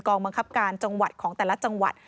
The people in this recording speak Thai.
บังคับการจังหวัดของแต่ละจังหวัด